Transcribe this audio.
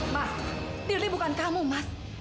mas diri bukan kamu mas